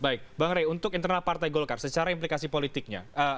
baik bang rey untuk internal partai golkar secara implikasi politiknya